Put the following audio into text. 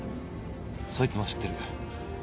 そいつも知ってる。